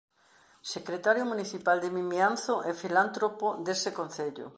Secretario municipal de Vimianzo e filántropo dese concello.